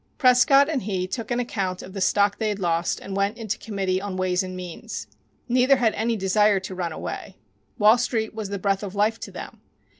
Prescott and he took an account of the stock they had lost and went into committee on ways and means. Neither had any desire to run away. Wall Street was the breath of life to them.